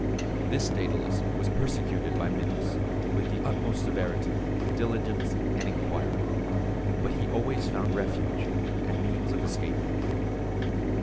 This Dædalus was persecuted by Minos with the utmost severity, diligence, and inquiry; but he always found refuge and means of escaping.